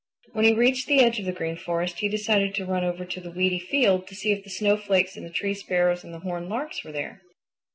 When he reached the edge of the Green Forest he decided to run over to the weedy field to see if the Snowflakes and the Tree Sparrows and the Horned Larks were there.